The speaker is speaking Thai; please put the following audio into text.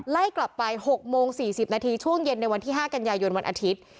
ไล่กลับไป๖โมง๔๐นาทีช่วงเย็นในวันที่๕กันยายนวันอาทิตย์